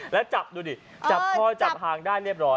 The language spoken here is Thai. แล้วจับดูดิจับคอจับหางได้เรียบร้อย